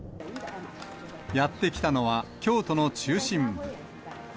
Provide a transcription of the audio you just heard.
やって来たのは、京都の中心部。